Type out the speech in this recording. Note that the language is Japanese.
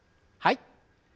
はい。